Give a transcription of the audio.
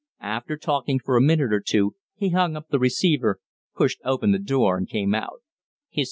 After talking for a minute or two he hung up the receiver, pushed open the door and came out.